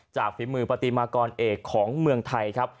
ฝีมือปฏิมากรเอกของเมืองไทยครับ